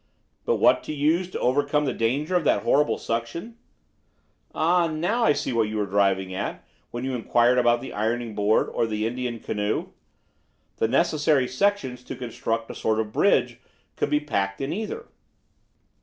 But what to use to overcome the danger of that horrible suction?" "Ah, I see now what you were driving at when you inquired about the ironing board or the Indian canoe. The necessary sections to construct a sort of bridge could be packed in either?"